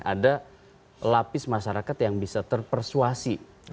ada lapis masyarakat yang bisa terpersuasi